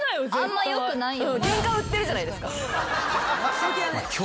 あんまよくないよ。